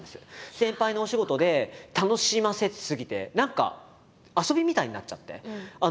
先輩のお仕事で楽しませ過ぎて何か遊びみたいになっちゃって。